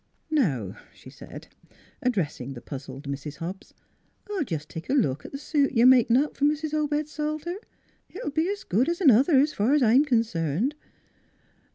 " Now," she said, addressing the puzzled Mrs. Hobbs, " I'll jest take a look at the suit you're makin' up fer Mis' Obed Salter. It '11 be 's good 's another s' fur 's I'm concerned."